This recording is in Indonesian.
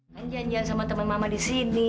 nganjan jan sama teman mama di sini